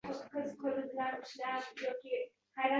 ma’yuslanib bekatda tursa-yu